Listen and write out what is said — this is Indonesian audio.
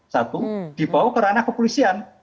satu dibawa ke ranah kepolisian